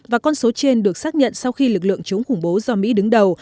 và con số trên được xác nhận sau khi lực lượng chống khủng bố do mỹ đứng đầu